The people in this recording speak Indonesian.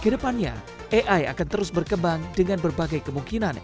kedepannya ai akan terus berkembang dengan berbagai kemungkinan